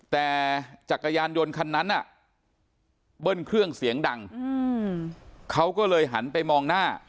แต่จักรยานยนต์คันนั้นเบิ้ลเครื่องเสียงดังเขาก็เลยหันไปมองหน้า